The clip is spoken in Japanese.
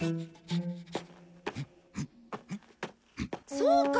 そうか！